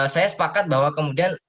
saya sepakat bahwa kemudian